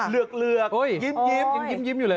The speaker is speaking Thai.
เหลือกเหลือกโอ้ยยิ้มยิ้มยิ้มยิ้มอยู่เลย